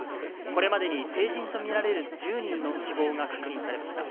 これまでに、成人と見られる１０人の死亡が確認されました。